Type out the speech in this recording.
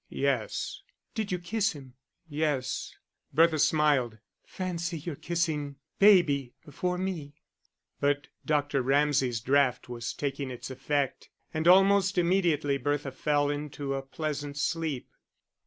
"Yes." "Did you kiss him?" "Yes." Bertha smiled. "Fancy your kissing baby before me." But Dr. Ramsay's draught was taking its effect, and almost immediately Bertha fell into a pleasant sleep.